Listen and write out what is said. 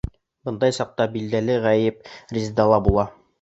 Бындай саҡта, билдәле, ғәйеп Резедала була.